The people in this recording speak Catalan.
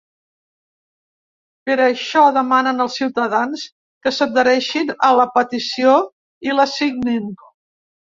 Per això demanen als ciutadans que s’adhereixin a la petició i la signin.